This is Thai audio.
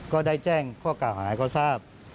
ก็ได้แจ้งข้อเกราะหายเขาทราบ